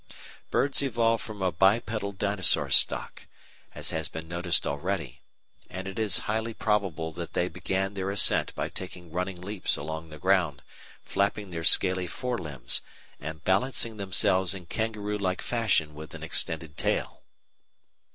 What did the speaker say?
Birds evolved from a bipedal Dinosaur stock, as has been noticed already, and it is highly probable that they began their ascent by taking running leaps along the ground, flapping their scaly fore limbs, and balancing themselves in kangaroo like fashion with an extended tail.